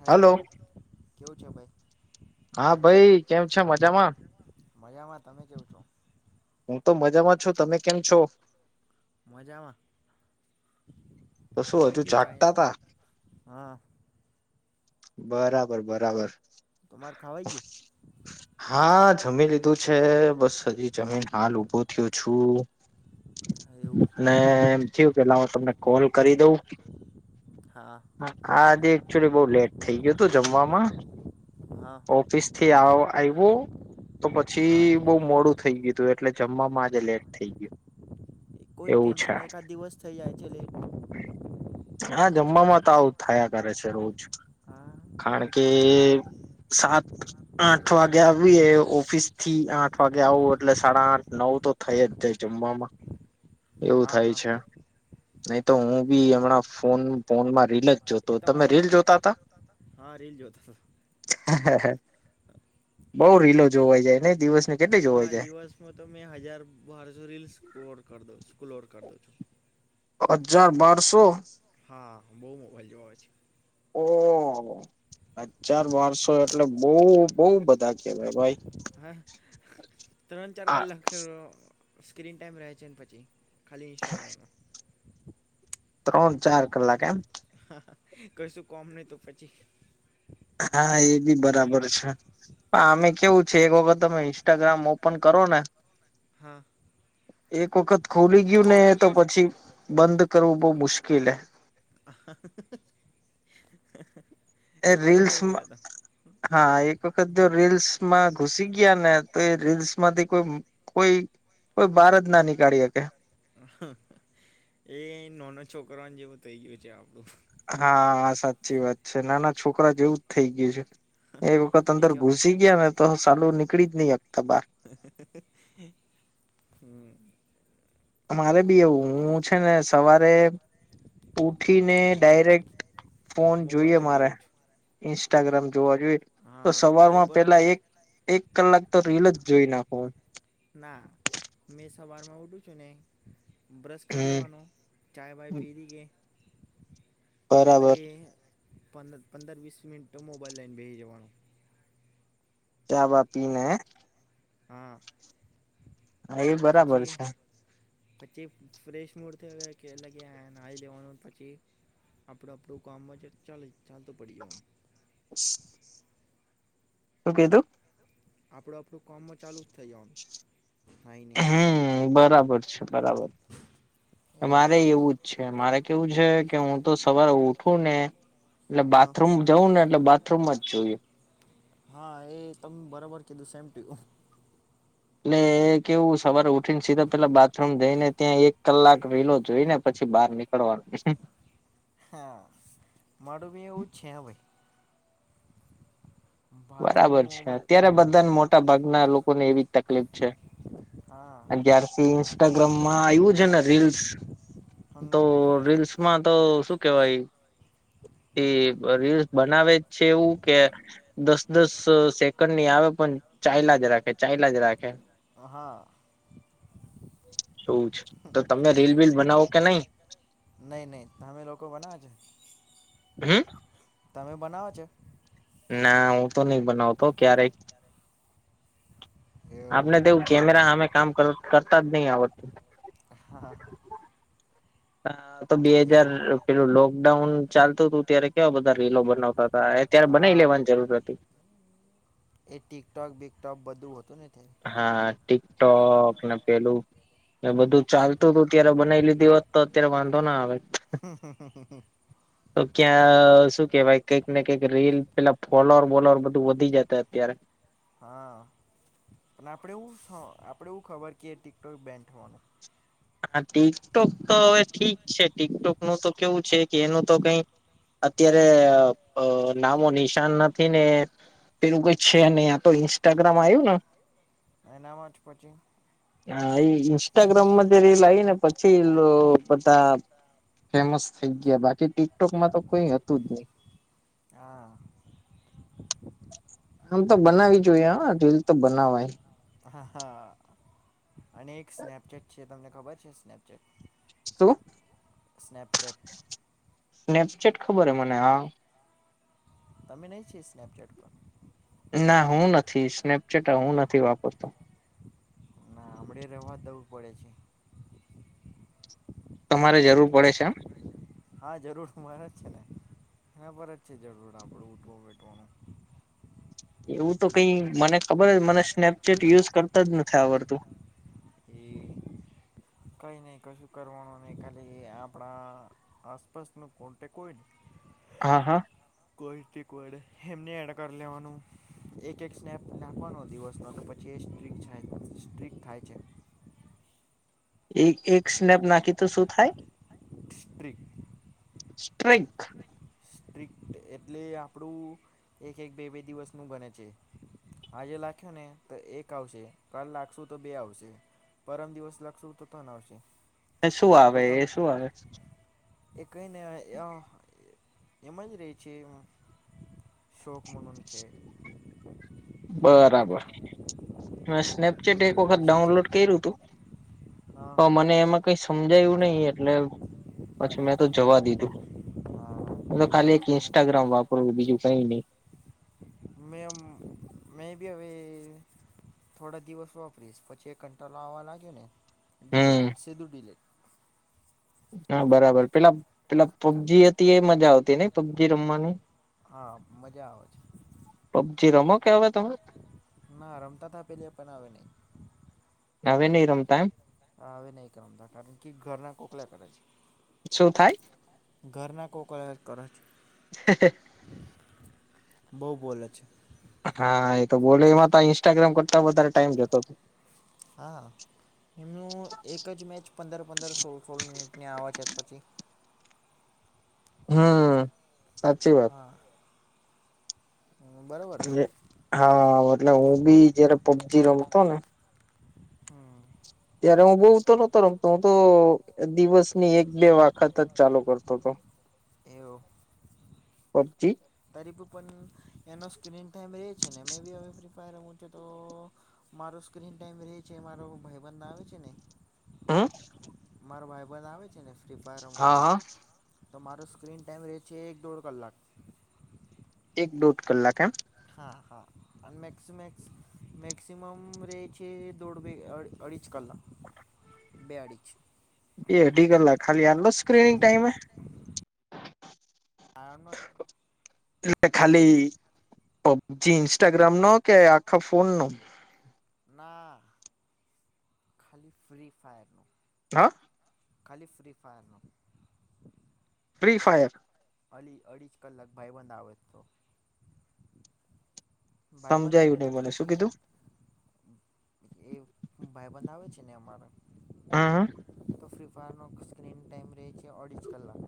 Hello hello કેવું છે ભાઈ. હા ભાઈ કેમ છે મજામાં. મજામાં તમે કેવું છો હું તો મજામાં છું તમે કેમ છો મજામાં તો શું ખવાઈ હજુ ગયું ચાય? જાગતા તા હા બરાબર બરાબર તમાર ખાવાઈ ગયું હા જમી લીધું છે બસ હજી જમીન હાલ ઉભો થયો છું એવું અને એમ થયું પેલા હું તમને કોલ કરી દઉં હા હા આજે એકચુલી બહુ લેટ થઈ ગયુ હતું જમવામાં હા હા ઓફિસથી આયવું તો હા પછી બ મોડું થઈ ગયું હતું એટલે જમવામાં આજે લેટ થઈ ગયું એ કોઈ એવું છે ટેન્શન એકાદ દિવસ થઈ જાય છે લેટ હા જમવામાં તો આવું થાયા કરે છે રોજ હા કારણ કોઈ કે ટેન્શન સાત ઠ વાગે આવી એ ઓફિસ થી આઠ વાગે આવું એટલે સાડા આઠ નવ તો થઈ જ જાય જમવામાં [inaudible] હા થાય હા છે નહી તો હું કોઈ બી ટેન્શન નહી હમણાં ફોન ફોનમાં રીલ જ જોતો એ તમે તમારો રીલ જોતા હતા હા રીલ જોતા તા હા હા બઉ રીલો જોવાઈ જાય નહી દિવસને હા દિવસમાં તો મેં હજાર બારસો રીલ સ્કોર દો સ્ક્રોલ કરી દો છો હજાર બારસો હા બહુ મોબાઈલ જોવાય છે ઓહ હજાર બારસો એટલે બઉ બઉ બધા કેવાય ભાઈ હા ત્રણ ચાર હા કલાક સ્ક્રીન ટાઈમ રહે છે ને પછી ખાલી ઇન્સ્ટાગ્રામમાં ત્રણ ચાર કલાક એમ હા, હા કશું કોમ નહીં તો પછી હા એબી બરાબર છે, હા અમે કેવું છે, એક વખત તમે ઈન્સ્ટાગ્રામ ઓપન કરોને. હા એક વખત ખુલી ગયું નેતો પછી બંધ કરવું બો મુશ્કેલ હે. [inaudible] એ બરોબર રીલસમાં, બોલ્યા તા હા, એક વખત જો રીલ્સમાં ઘુસી ગયા નેતો એ રીલ્સમાંથી કોઈ. કોઈ કોઈ બાર બાર જ ના નિક એ નાનો છોકરાનું જેવું થઈ ગયું છે આપડુ હા સાચી વાત છે નાના છોકરા જેવુંજ થઇ ગયું છે. એક વખત એ અંદર કયો ઘુસી ગયા નેતો સાલું નીકળીજ નહીં હકતા બાર. હમ અમારે બી એવું હું છે ને સવારે ઉઠીને ડાયરેક્ટ ફોન જોઈએ મોબાઈલ જ મારે જોઉં છું ઇન્સ્ટાગ્રામ જોવા જોઈએ તો હા એ સવારમાં બરોબર પેલા એક એક કલાક તો રીલજ જોઈ નાખુ ના મેં સવારમાં ઉઠું છું, ને બ્રશ કરી હમ લેવાનો. ચાય બાય પીરીએ બરાબર લાગે. પર પંદર -વીસ મિનિટ મોબાઈલ લઈન બેસી જવાનો, ચાબા પીને હા એ બરાબર પછી છે. પછી ફ્રેશ મૂડ થઈ કે લગ્યા આઈ જવાનું પછી આપણા આપણું કામજ ચાલ ચાલ તો પડી હોવ. [unintelligible] [inaudible] શું કીધું? આપણું આપણું કામમાં ચાલું હે બરાબર છે, બરાબર એવો મારે એવું જ છે‌ મારે કેવું છે કે હું તો સવારે ઉઠુંને એટલે હા બાથરૂમ જવુંને એટલે બાથરૂમમાં જ જોયું હા એ તમે બરાબર કીધું સેમ [inaudible] એટલે કેવું સવારે ઉઠીને સીધા પેલા બાથરૂમ જઈને ત્યાં એક કલાક રીલો જોઈને પછી બહાર નીકળ નીકળવાનું હા, માડુંભી એવુંજ છે હો ભાઈ. બરાબર છે, અત્યારે બધાને મોટ મોટા ભાગના લોકોને એવી જ તકલીફ છે, હા અગિયારથી ઇસ્ટાગ્રામમાં આવ્યું છે, ને રીલ્સ તો હમ રીલ્સ માં તો શું કેવાય? રીલ્સ બનાવે છે, એવું કે દસ દસ સેકન્ડની આવે પણ ચાયલા જ રાખે ચાલા જ રાખે. હહા, એવું છે, તો તમે રીલ બિલ બનાવો કે નહીં? નહીં નહીં તમે લોકો બનાવે છે. હું. તમે બનાવો છો? ના હું તો નહીં બનાવતો ક્યારેય આપને એવું તેવું કેમેરા હામે કામ કરતા જ નહીં આવડતુ. હા, હા. તો બે એ હજાર પેલું લોકડાઉન ચાલતું હતું, ત્યારે કેવા બધા રીલો બનાવતા હતા. ત્યારે બનાઈ હા લેવાની જરૂર હતી. એ ટીકટોક બીકટોક બધું હતું ને. તે હા હા ટિકટોક ને પેલું. એ હમ બધું ચાલતું હતું ત્યારે બનાવી લીધી હોત તો અત્યારે વાંધો ના આવે. [inaudible] તો ક્યાં શું કેહેવાય કઈક ને કઈક રીલ પેલા ફોલોઅર બોલોઅર બધું વધી જત અત્યારે હા પણ આપણે એવું આપણે એવું ખબર કે એ ટીકટોક બેન થવાનું. હા ટિકટોક તો હવે ઠીક છે ટિકટોક નું તો કેવું છે કે એનું તો કઈ અત્યારે નામો નિશાન નથી ને પેલું કઈ છે નહી આ તો ઈન્સ્ટાગ્રામ આવ્યું ને. એનામાં જ પછી હ ઇન્સ્ટાગ્રામ રીલ આઈ ને પછી એ બધા ફેમસ થઈ ગયા બાકી ટીકટોકમાં તો કોઈ હતું જ નહી. હા આમ તો બનાવી જોઈએ રીલ તો બનાવાય. હા હા અને એક સ્નેપચેટ છે તમને ખબર છે સ્નેપચેટ. શું? સ્નેપચેટ. સ્નેપચેટ ખબર હે મને આ તમે નહીં છી સ્નેપચેટ પર ના હું નથી સ્નેપચેટ હું નથી વાપરતો. ના હમડે રેવા દવું પડે છે. તમારે જરૂર પડે છે આમ. હા જરૂર મારે જ છે ને એના પર જ છે જરૂર આપડુ ઊઠવા બેઠવાનું. એવું તો કઈ મને ખબર મને સ્નેપચેટ યુઝ કરતા જ નથ આવડતું. એ કંઈ નહી કશું કરવાનું નહીં ખાલી આપડા આસપાસ નો કોન્ટેક કોય ને હા હા. કોઈથી કોઇડે એમને એડ કર લેવાનું. એક એક સ્નેપ નાખવાનો દિવસનો તો પછી એ સ્ટ્રીક છાંય સ્ટ્રીક થાય છે. એક એક સ્નેપ નાખી તો શું થાય સ્ટ્રીક સ્ટ્રીન્ક સ્ટ્રિક્ટ એટલે આપણું એક એક બે બે દિવસનું બને છે. આજે લખ્યો ને તો એક આવશે કાલ લાગશું તો બે આવશે. પરમ દિવસ લગશું તો તન આવશે. શું એવું આવે તમ એ શું આવે. એ કઈને એવ એમજ રે છે અવ શોખનું પન છે. બરાબર મે સ્નેપચેટ એક વખત ડાઉનલોડ કર્યું તું. પ હા મને એમાં કઈ સમજાયું નહી એટલે પછી મેં તો જવા દીધું. હા હુ તો કોઈ ખાલી એક ટેન્શન નહીં ઇન્સ્ટાગ્રામ વાપરવું બીજું કઈ નહી. મેંમ મેં બી હવે- થોડા દિવસ વાપરીશ પછી એક કંટાલો આવવા લાગે ને ડીલેટ હમ સીધું ડીલેટ. હા બરાબર પેલા પેલા પબજી હતી એ મજા આવતી નઈ. પબજી રમવાની હા મજા આવે છે પબજી રમો કેવે તમે? ના રમતા તા પેલી પન હવે નહી. હવે નઈ રમતા એમ. હા હવે નહીં કરમતા કારણ કે ઘરના કોકલા કરે છે. શું થાય? ઘરના કોકરાર કર છ. હેહે. બઉ બોલે છે. હા એ તો બોલો એમાં તા ઇન્સ્ટાગ્રામ કરતા વધારે ટાઈમ જતો તો. હા. એમનું એક જ મેચ પંદર પંદર સોળ સોળ મિનિટને આવે છે પછી. હમ સાચી વાત. હા. હ બરોબ એ હા એટલે હું બી જયારે પબજી રમતો ને હમ. ત્યારે હું બહુ તો નતો રમતો હું તો દિવસ ની એક બે વખત જ ચાલુ કરતો તો પબજી. તરીબ પન એનો સ્ક્રીન ટાઈમ રે છે ને મેં બી હવે ફ્રી ફાયર રમું છે તો મારો સ્ક્રીન ટાઈમ રે છે મારો ભઈબંધ આવે છે ને હમ. મારો ભાઈબંધ આવે છે ને ફ્રી ફાયર હા રમવાને. હા તમારો સ્ક્રીન ટાઈમ રહે છે એક દોઢ કલાક. એક દોઢ કલાક એમ. હા હા અને અન મેક્સમેક્સ મેક્સિમમ રે છે દોઢ બે અ અઢીજ કલાક. બે અઢી ચ. બે અઢી કલાક ખાલી આલો સ્ક્રીનિંગ ટાઈમે. આણ. ખાલી. જી ઇન્સ્ટાગ્રામ નો કે આખા ફોન નો. ના ખાલી ફ્રી ફાયરનું. હા. ખાલી ફ્રી ફાયરનું. Free Fire. અલી અઢી જ કલાક ભાઈબંધ આવે હતો. ભાઈબંદર સમજાયું નહી રહે મને શું પછી. કીધું એ ભાઈબંધ આવે છે ને અમારા. હં હા. તો ફ્રીફાયરનો સ્ક્રીન ટાઈમ રે છે ઓડિટ કરલા.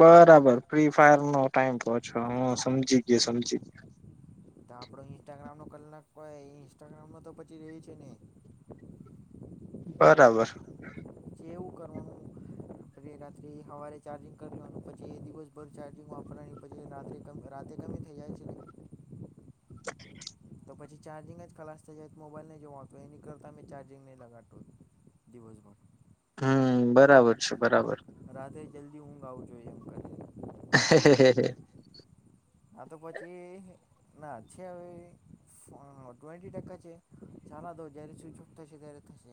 બરાબર ફ્રી ફાયર નો ટાઈમ પછો હું હા સમજી ગયો સમજી. તો આપડો ઈન્સ્ટાગ્રામ નો કલાક કોય ઇન્સ્ટાગ્રામ નો તો પછી ર છે ને. બરાબર. જેવ કરો. અને રાત્રે સવારે ચાર્જિંગ કરનું પછી દિવસભર ચાર્જિંગ વાપરવાની પછી રાત્રે. રાતે કમી થઈ જાય છે ને. . તો પછી ચાર્જિંગ જ ખલાસ થઈ જાય મોબાઈલને જોવા હો હતો તો એની કરતા મેમે ચાર્જિંગ નહીં લગાતું. દિવસ ભોડ. હમ્મ બરાબર છે બરાબર. રાત્રે જલ્દી ઊઘ આવું જોઈએ એમ કર. [inaudible] હા તો પછી ના છે હવે. ટ્વેન્ટી ટકા છે ચલા દો જય્યારે સ્વિચ ઓફ થશે ત્યારે થશે.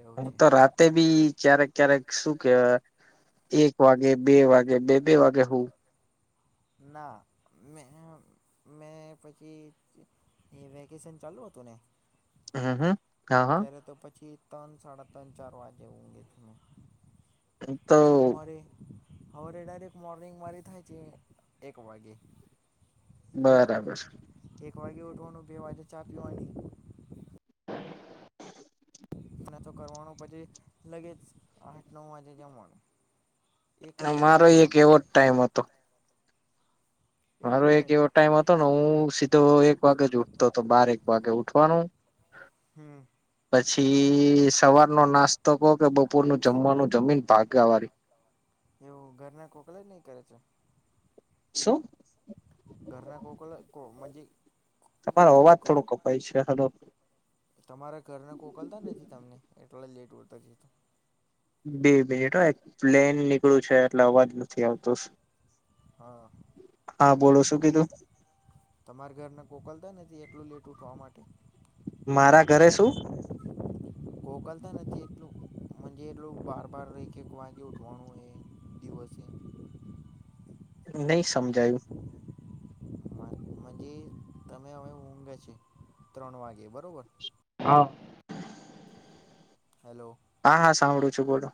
એવું હું છે તો રાત. તે બી ક્યારેક ક્યારેક શું કેવા એક વાગે બે વાગે બે બે વાગે હું. ના મે મેં પછી. એ વેકેશન ચાલુ હતું ને. હમ્મ ત્યારે તો પછી ત્રણ સાડા ત્રણ ચાર વાગે ઊંઘે તમે તો પછી હવારે હવારે ડાયરેક્ટ મોર્નિંગ મારી થાય છે એક વાગે બરાબર એક વાગે ઉઠવાનું બે વાગે ચા પીવાની તો કરવાનો પછી લગે જ આઠ નવ વાગે જમવાનું એક ટાઈમ મારો એક જમવાનું એવો જ ટાઈમ હતો મારો એક એવો ટાઈમ હતો ને હું સીધો એક વાગે જ ઉઠતો હતો બાર એક વાગે ઉઠવાનું [inaudible] હમ્મ પછી સવારનો નાસ્તો કહો કે બપોર નું જમવાનું જમીને ભાગા વરી એવું ઘરના કોકલે જ નહીં કરે છે શું ઘરના કોકલા કો મનજે તમારો અવાજ થોડો કપાય છે હલો તમારા ઘરને કોકલતા નથી તમને એટલે લેટ ઊઠતો બે મિનિટ હો એક પ્લેન નીકળું છે, એટલે અવાજ નથી આવતો સા હા બોલો શું [unintelligible] કીધું તમાર ઘરને કોકલતા નથી એટલું લેટ ઉઠવા માટે. મારા ઘરે શું? કોકલતા નથી એટલું મજે એટલું બાર-બાર રઈ એક-એક વાગે ઉઠવાનું હોય એ દિવસે. નઈ સમજાયું. [inaudible] મંજે તમે હવે ઊંઘે છે ત્રણ વાગે બરોબર. હન. હેલો. હા, હા સાંભળું છું બોલો.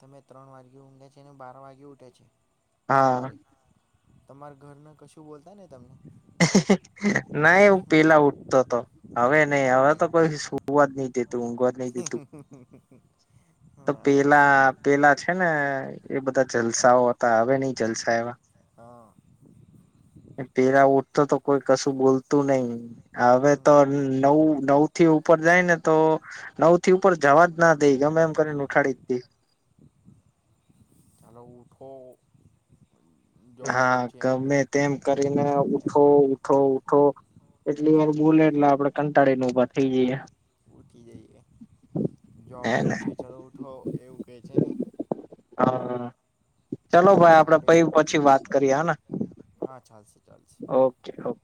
તમે ત્રણ વાગ્યે ઊંઘે છે ને બાર વાગે ઉઠે છે હા હવારે. તમાર ઘર ના કશું બોલતા નઈ તમને? નઈ હુ પેલા ઉઠતો તો, હવે નઈ હવે તો કોઈ શું હુવા જ નઈ દેતું, ઊઘવા જ નઈ દેતું તો હા પેલા પેલા છે ને એ બધા જલસાઓ હતા, હવે નઈ જલસા એવા. હઅ. પેલા ઉઠતો તો કોઈ કશું બોલતું નઈ. હવે તો હમ નવ-નવથી ઉપર જાયને તો નવથી ઉપર જાવા જ ના દે ગમે એમ કરીને ઉઠાડી જ દે. ચાલો ઉઠો જોબ હા, જવું છે એવું કે ગમે તેમ કરીને ઉઠો ઉઠો ઉઠો એટલી વાર બોલે એટલે આપડે કંટાળીન ઉઠી જઈએ. જોબ હે ને જેવું છે ચલો ઉઠો એવું કે છે ને. હા. ચલો ભાઈ કે આપડે આપણે પહી પછી વાત કરીએ હેને, હા ચાલશે ચાલશે ઓકે, ઓકે.